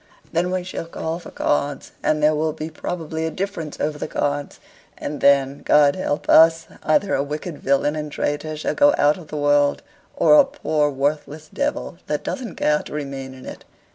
Then we shall call for cards, and there will be probably a difference over the cards and then, God help us! either a wicked villain and traitor shall go out of the world, or a poor worthless devil, that doesn't care to remain in it.